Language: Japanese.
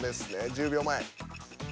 １０秒前。